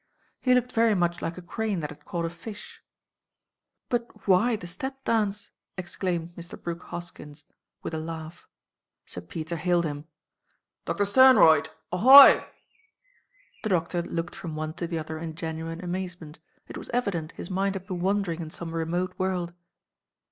He looked very much like a crane that had caught a fish. "But why the step dance?" exclaimed Mr. Brooke Hoskyn, with a laugh. Sir Peter hailed him. "Doctor Sternroyd, ahoy!" The Doctor looked from one to the other in genuine amazement. It was evident his mind had been wandering in some remote world.